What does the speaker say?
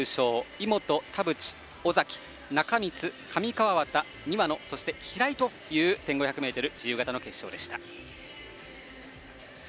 井本、田渕、尾崎、仲光、上川畑庭野、そして平井という１５００ｍ自由形の決勝でした。